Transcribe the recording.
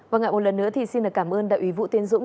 và ngại một lần nữa thì xin cảm ơn đại ủy vũ tiến dũng